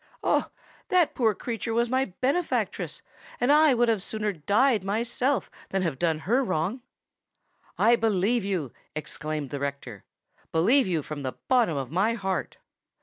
"Oh! that poor creature was my benefactress; and I would sooner have died myself than have done her wrong!" "I believe you," exclaimed the rector,—"believe you from the bottom of my heart!"